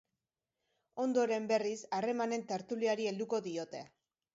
Ondoren, berriz, harremanen tertuliari helduko diote.